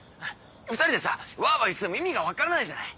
２人でさわわ言ってても意味が分からないじゃない。